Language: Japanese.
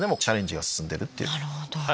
なるほど。